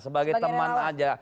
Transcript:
sebagai teman aja